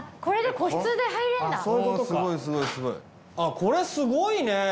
これすごいね。